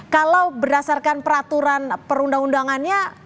kalau berdasarkan peraturan perundang undangannya